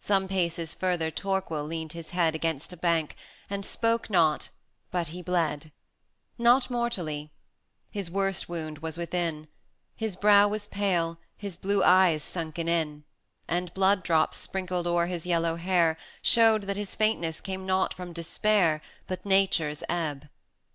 Some paces further Torquil leaned his head Against a bank, and spoke not, but he bled, Not mortally: his worst wound was within; His brow was pale, his blue eyes sunken in, 100 And blood drops, sprinkled o'er his yellow hair, Showed that his faintness came not from despair, But Nature's ebb.